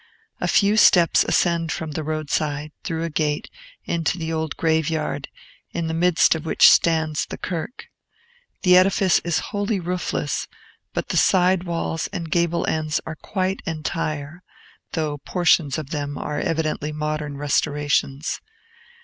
A few steps ascend from the roadside, through a gate, into the old graveyard, in the midst of which stands the kirk. The edifice is wholly roofless, but the side walls and gable ends are quite entire, though portions of them are evidently modern restorations.